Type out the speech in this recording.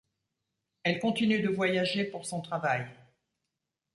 Elle continue de voyager pour son travail.